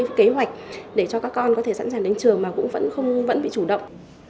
để cho các con có thể sẵn sàng đến trường mà cũng vẫn bị chủ động